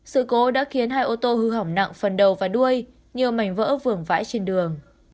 sự cố đã khiến hai ô tô hư hỏng nặng phần đầu và đuôi nhiều mảnh vỡ vườn vãi trên đường